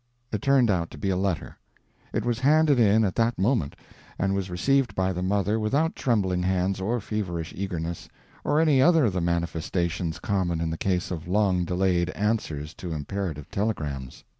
It turned out to be a letter. It was handed in at that moment, and was received by the mother without trembling hands or feverish eagerness, or any other of the manifestations common in the case of long delayed answers to imperative telegrams.